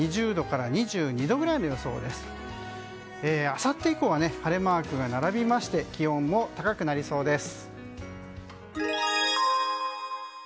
あさって以降は晴れマークが並びまして気温も高くなりそうです。